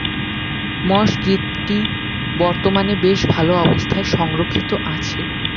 মসজিদটি বর্তমানে বেশ ভাল অবস্থায় সংরক্ষিত আছে।